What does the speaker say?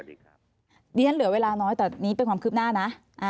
ดิฉันเหลือเวลาน้อยแต่นี้เป็นความคืบหน้านะ